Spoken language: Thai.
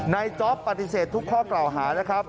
นายจ๊อปปฏิเสธทุกข้อเกะหา